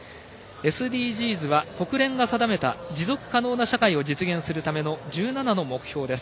ＳＤＧｓは国連が定めた持続可能な社会を実現するための１７の目標です。